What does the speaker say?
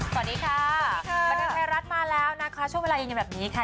สวัสดีค่ะสวัสดีค่ะบันเทิงไทยรัฐมาแล้วนะคะช่วงเวลาเย็นแบบนี้ค่ะ